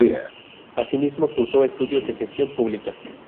Asimismo cursó estudios de Gestión Pública.